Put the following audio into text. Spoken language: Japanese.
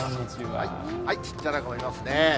ちっちゃな子もいますね。